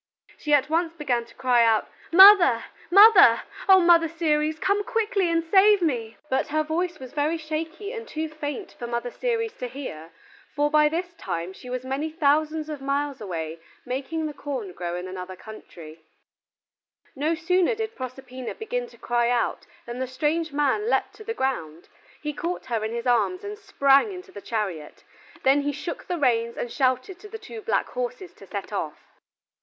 She at once began to cry out, "Mother, mother! O Mother Ceres, come quickly and save me!" [Illustration: HE CAUGHT HER IN HIS ARMS AND SPRANG INTO THE CHARIOT.] But her voice was very shaky and too faint for Mother Ceres to hear, for by this time she was many thousands of miles away making the corn grow in another country. No sooner did Proserpina begin to cry out than the strange man leaped to the ground; he caught her in his arms and sprang into the chariot, then he shook the reins and shouted to the two black horses to set off.